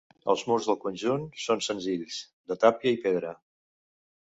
Els murs del conjunt són senzills, de tàpia i pedra.